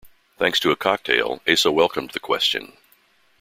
Thanks to a cocktail Asa welcomed the question.